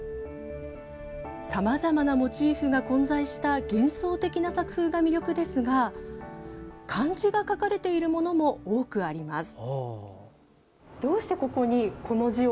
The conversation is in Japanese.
さまざまなモチーフが混在した幻想的な作風が魅力ですが漢字が描かれているものも多くあります。